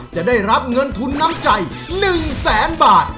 จะได้รับเงินทุนน้ำใจ๑แสนบาท